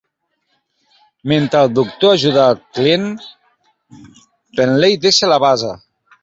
Mentre el Doctor ajuda Clent, Penley deixa la base.